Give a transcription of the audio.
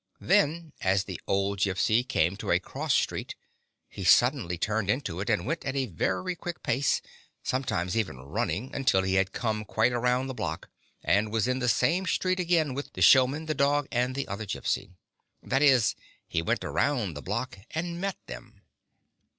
Then, as the old Gypsy came to a cross street, he suddenly turned into it, and went at a very quick pace — sometimes even running — until he had come quite around the block, and was in the same street again with the showman, the dog and the other Gypsy. That is, he went around the block and met them.